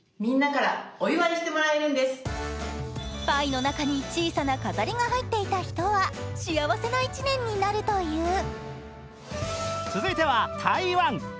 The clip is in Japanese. パイの中に小さな飾りが入っていた人は幸せな１年になるという。